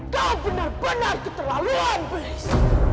kau benar benar keterlaluan puisi